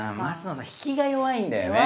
升野さん引きが弱いんだよね。